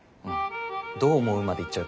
「どう思う？」までいっちゃうと。